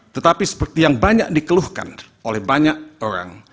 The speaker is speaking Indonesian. tetapi seperti yang banyak dikeluhkan oleh banyak orang